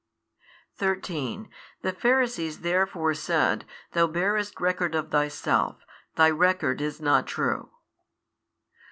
13 The Pharisees therefore said, Thou bearest record of Thyself, Thy record is not true.